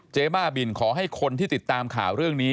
บ้าบินขอให้คนที่ติดตามข่าวเรื่องนี้